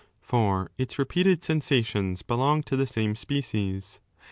For its repeated sensations belong to the same species.